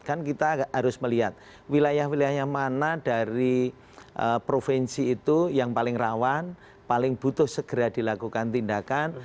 kan kita harus melihat wilayah wilayah yang mana dari provinsi itu yang paling rawan paling butuh segera dilakukan tindakan